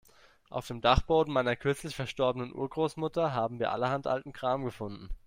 Auf dem Dachboden meiner kürzlich verstorbenen Urgroßmutter haben wir allerhand alten Kram gefunden.